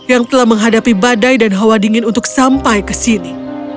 yang telah menghadapi badai dan hawa dingin untuk sampai ke sini